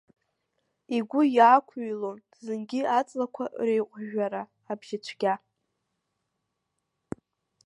Игәы иаақәыҩлон зынгьы аҵлақәа реиҟәжәжәара абжьыцәгьа.